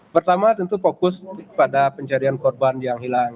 pertama tentu fokus pada pencarian korban yang hilang